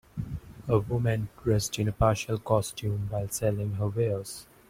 A woman dressed in a partial costume while selling her wares.